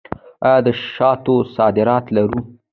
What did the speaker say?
آیا د شاتو صادرات لرو؟